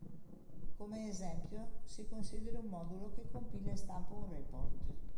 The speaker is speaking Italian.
Come esempio, si consideri un modulo che compila e stampa un report.